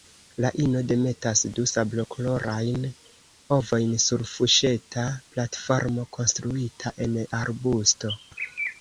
La ino demetas du sablokolorajn ovojn sur fuŝeta platformo konstruita en arbusto.